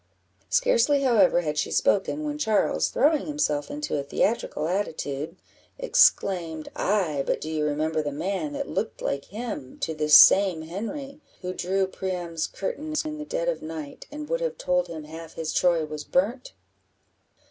Scarcely, however, had she spoken, when Charles, throwing himself into a theatrical attitude, exclaimed "Ay! but do you remember the man that looked like him to this same Henry, '_Who drew Priam's curtains in the dead of night, and would have told him half his Troy was burnt?